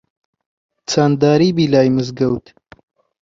چەن داری بی لای مزگەوت